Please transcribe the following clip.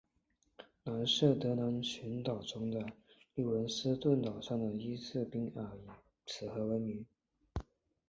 南设得兰群岛中的利文斯顿岛上的伊斯克尔冰川以此河为名。